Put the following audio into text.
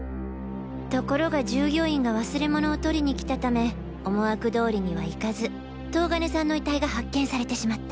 ところが従業員が忘れ物を取りに来たため思惑通りにはいかず東金さんの遺体が発見されてしまった。